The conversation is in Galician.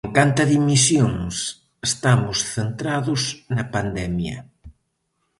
En canto a dimisións, estamos centrados na pandemia.